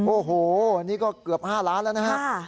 โอ้โหนี่ก็เกือบ๕ล้านแล้วนะครับ